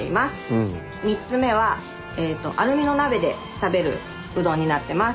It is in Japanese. ３つ目はアルミの鍋で食べるうどんになってます。